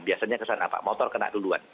biasanya kesan apa motor kena duluan